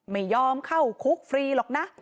ไม่ยอมเข้าคุกฟรีหรอกนะ